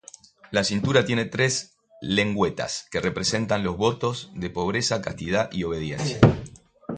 La cintura tiene tres lengüetas que representan los votos de pobreza, castidad y obediencia.